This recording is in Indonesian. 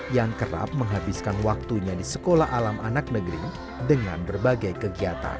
yang kerap menghabiskan waktunya di sekolah alam anak negeri dengan berbagai kegiatan